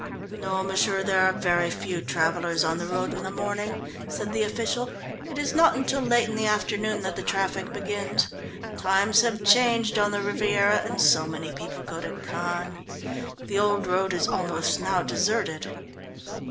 "No, m'sieur, there are very few travellers on the road in the morning," said the official. "It is not until late in the afternoon that the traffic begins. Times have changed on the Riviera, and so many people go to Cannes. The old road is almost now deserted."